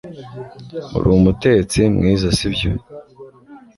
Uri umutetsi mwiza sibyo